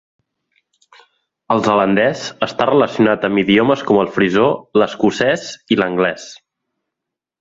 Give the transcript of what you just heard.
El zelandès està relacionat amb idiomes com el frisó, l'escocès i l'anglès.